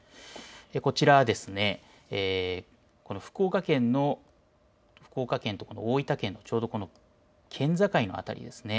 こちらは福岡県と大分県のちょうど県境の辺りです。